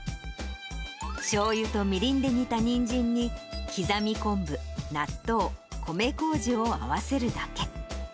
しょうゆとみりんで煮たニンジンに、刻み昆布、納豆、米こうじを合わせるだけ。